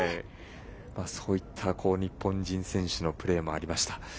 そういった日本人選手のプレーもありました。